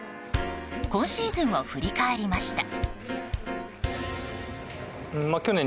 今シーズンを振り返りました。